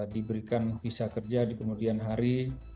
diberikan visa kerja di kemudian hari